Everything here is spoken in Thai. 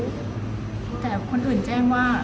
แต่คนอื่นแจ้งว่า